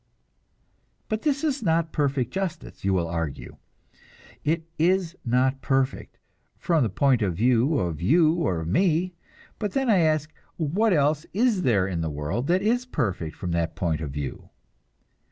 But this is not perfect justice, you will argue. It is not perfect, from the point of view of you or me; but then, I ask, what else is there in the world that is perfect from that point of view?